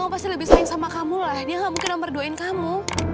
papa pasti lebih sayang sama kamu lah dia gak mungkin mau merduain kamu